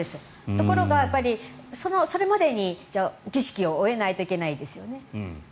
ところが、それまでに儀式を終えないといけないですよね。